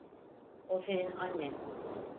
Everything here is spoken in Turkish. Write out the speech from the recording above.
O senin annen.